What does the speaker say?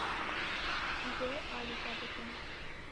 Ez ê alî te bikim.